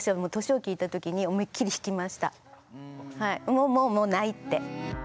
もうもうもうないって。